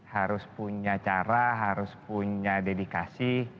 harus punya cara harus punya dedikasi